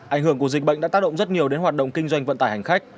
ảnh hưởng của dịch bệnh đã tác động rất nhiều đến hoạt động kinh doanh vận tải hành khách